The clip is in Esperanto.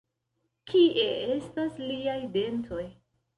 Kie estas liaj dentoj?